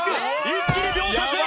一気に秒殺！